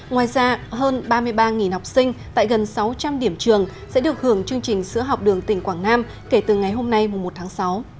ngoài ra hơn ba mươi ba học sinh tại gần sáu trăm linh điểm trường sẽ được hưởng chương trình sữa học đường tỉnh quảng nam kể từ ngày hôm nay một tháng sáu